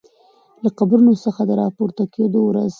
له قبرونو څخه د راپورته کیدو ورځ